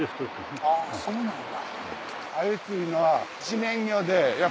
あそうなんだ。